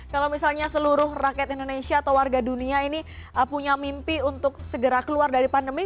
kalau misalnya seluruh rakyat indonesia atau warga dunia ini punya mimpi untuk segera keluar dari pandemi